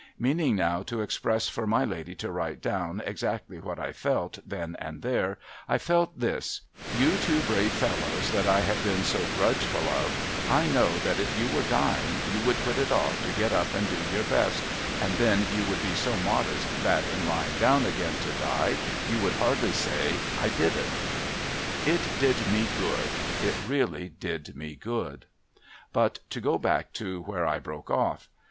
Meaning now to express for my lady to write down, exactly what I felt then and there, I felt this :' You two brave fellows that I had been so grudgeful of, I know that if you were dying you would put it off to get up and do your best, and then you would be so modest that in lying down again to die, you would hardly say, " I did it 1 "' It did me good. It really did me good. But, to go back to where I broke off.